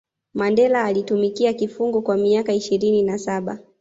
mandela alitumikia kifungo kwa miaka ishirini na saba